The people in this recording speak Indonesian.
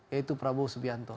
yaitu prabowo subianto